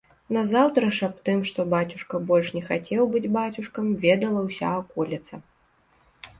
Назаўтра ж аб тым, што бацюшка больш не захацеў быць бацюшкам, ведала ўся аколіца.